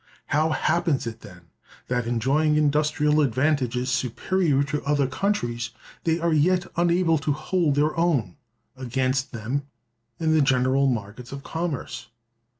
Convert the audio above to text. How happens it, then, that, enjoying industrial advantages superior to other countries, they are yet unable to hold their own against them in the general markets of commerce?